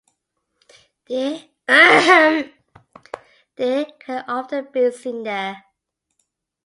Deer can often be seen there.